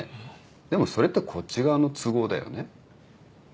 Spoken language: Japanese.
でもそれってこっち側の都合だよね。